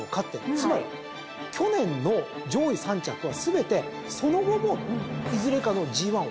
つまり去年の上位３着は全てその後もいずれかのＧⅠを勝ってるんですよ。